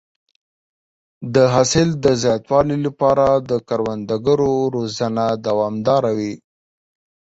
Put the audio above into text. د حاصل د زیاتوالي لپاره د کروندګرو روزنه دوامداره وي.